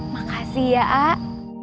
makasih ya ah